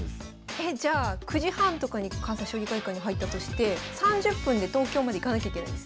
えじゃあ９時半とかに関西将棋会館に入ったとして３０分で東京まで行かなきゃいけないんですね？